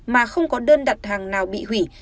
mà không có đơn đặt hàng nào bị hủy